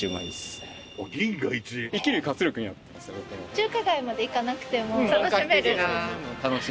中華街まで行かなくても楽しめる。